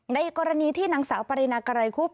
ในกรณีที่นางสาวปรินาไกรคุบ